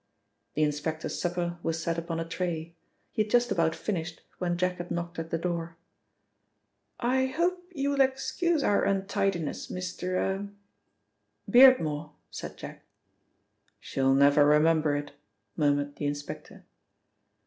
The inspector's supper was set upon a tray; he had just about finished when Jack had knocked at the door. "I hope you'll excuse our untidiness, Mr. er " "Beardmore," said Jack. "She'll never remember it," murmured the inspector.